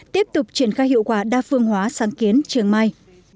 tiếp tục triển khai hiệu quả đa phương hóa sáng kiến trường mai